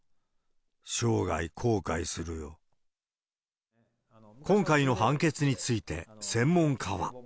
生涯、今回の判決について、専門家は。